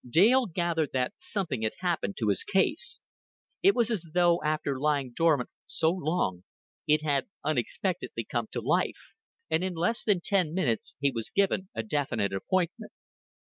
Dale gathered that something had happened to his case; it was as though, after lying dormant so long, it had unexpectedly come to life; and in less than ten minutes he was given a definite appointment.